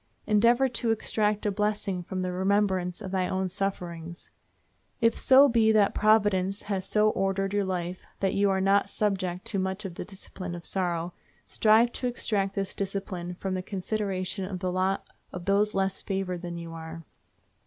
Endeavor to extract a blessing from the remembrance of thy own sufferings. If so be that Providence has so ordered your life that you are not subject to much of the discipline of sorrow, strive to extract this discipline from the consideration of the lot of those less favored than you are.